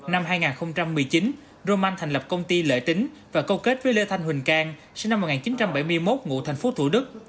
năm hai nghìn một mươi chín roman thành lập công ty lợi tính và câu kết với lê thanh huỳnh cang sinh năm một nghìn chín trăm bảy mươi một ngụ thành phố thủ đức